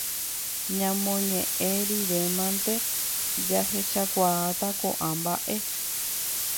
Ñamoñe'ẽ rirémante jahechakuaáta ko'ã mba'e